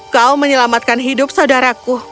kau menyelamatkan hidup saudaraku